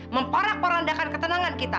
memporak porandakan ketenangan kita